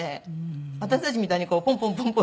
私たちみたいにポンポンポンポン。